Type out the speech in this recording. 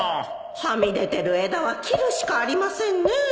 はみ出てる枝は切るしかありませんね